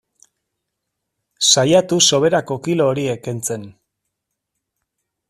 Saiatu soberako kilo horiek kentzen.